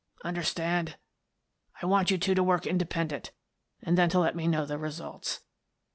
Understand? I want you two to work independent, and then to let me know the results.